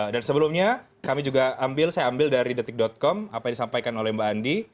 dan sebelumnya kami juga ambil saya ambil dari detik com apa yang disampaikan oleh mbak andi